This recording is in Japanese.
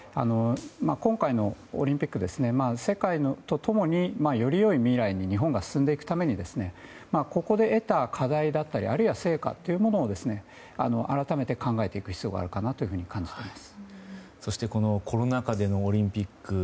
今回のオリンピック世界と共によりよい未来に日本が進んでいくためにここで得た課題だったりあるいは成果というものを改めて考えていく必要があるかなと感じています。